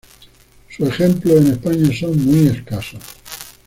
Sus ejemplos en España son muy escasos.